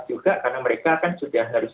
juga karena mereka kan sudah harus